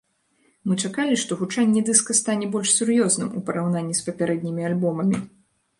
Мы чакалі, што гучанне дыска стане больш сур'ёзным, у параўнанні з папярэднімі альбомамі.